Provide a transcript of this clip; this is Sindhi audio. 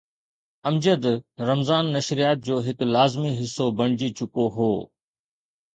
امجد رمضان نشريات جو هڪ لازمي حصو بڻجي چڪو هو.